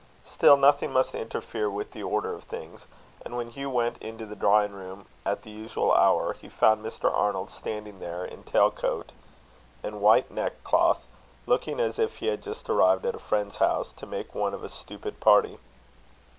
Still, nothing must interfere with the order of things; and when Hugh went into the drawing room at the usual hour, he found Mr. Arnold standing there in tail coat and white neck cloth, looking as if he had just arrived at a friend's house, to make one of a stupid party.